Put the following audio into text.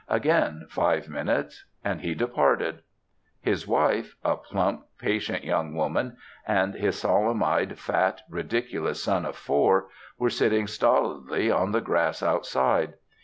Again five minutes, and he departed. His wife a plump, patient young woman and his solemn eyed, fat, ridiculous son of four, were sitting stolidly on the grass outside.